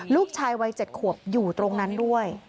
ลูกชายวัย๗ขวบอยู่ตรงนั้นด้วย